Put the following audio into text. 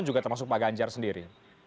juga termasuk pak ganjar sendiri